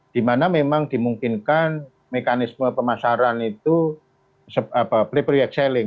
dimana memang dimungkinkan mekanisme pemasaran itu pre pre excelling